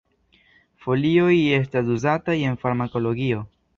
Folioj estas uzataj en farmakologio.